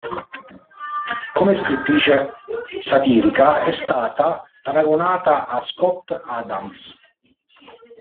Come scrittrice satirica è stata paragonata a Scott Adams.